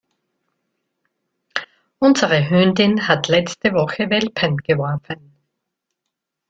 Unsere Hündin hat letzte Woche Welpen geworfen.